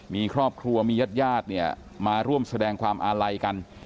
มีครอบครัวมีญาติมาร่วมแสดงความอาลัยกัน